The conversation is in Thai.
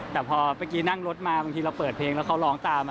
แต่พอเมื่อกี้นั่งรถมาบางทีเราเปิดเพลงแล้วเขาร้องตาม